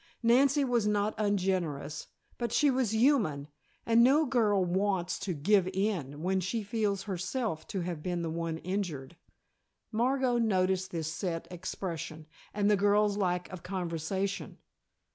Nancy was not ungenerous, but she was human, and no girl wants to "give in" when she feels herself to have been the one injured. Margot noticed this set expression, and the girls' lack of conversation.